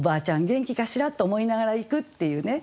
元気かしら？」と思いながら行くっていうね